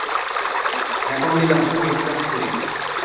এখন নিলাম শুরু হতে যাচ্ছে।